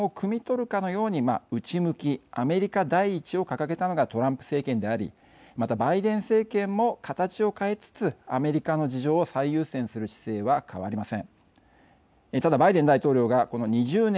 そうした不満をくみ取るかのように内向きアメリカ第一を掲げたのがトランプ政権でありまた、バイデン政権も形を変えつつアメリカの事情を最優先する姿勢は変わりません。